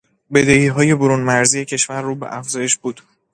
بدهیهای برون مرزی کشور رو به افزایش بود.